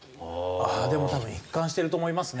でも多分一貫してると思いますね。